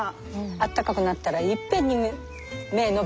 あったかくなったらいっぺんに芽伸びてね。